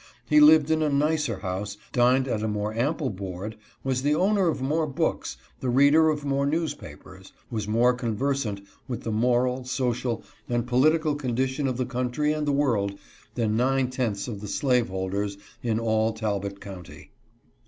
He lived in a nicer house, dined at a more ample board, was the owner of more books, the reader of BETTER SYSTEM OF LABOR. 257 more newspapers, was more conversant with the moral, social and political condition of the country and the world, than nine tenths of the slaveholders in all Talbot county.